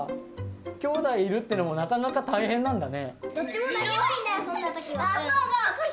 きょうだいいるってのもなかなか大変なんだね。